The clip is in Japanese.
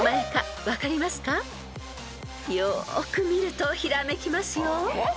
［よーく見るとひらめきますよ］